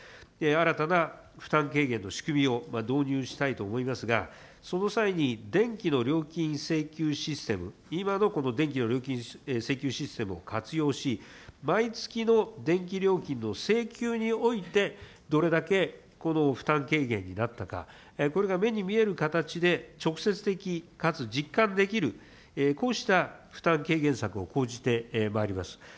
新たな負担軽減の仕組みを導入したいと思いますが、その際に電気の料金請求システム、今のこの電気の料金請求システムを活用し、毎月の電気料金の請求において、どれだけこの負担軽減になったか、これが目に見える形で直接的かつ実感できる、こうした負担軽減策を講じてまいります。